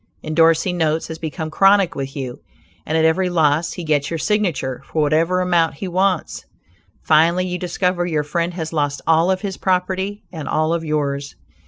endorsing notes has become chronic with you, and at every loss he gets your signature for whatever amount he wants. Finally you discover your friend has lost all of his property and all of yours.